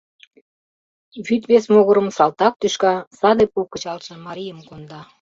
Вӱд вес могырым салтак тӱшка саде пу кычалше марийым конда.